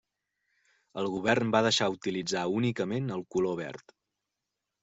El govern va deixar utilitzar únicament el color verd.